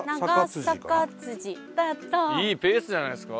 いいペースじゃないですか？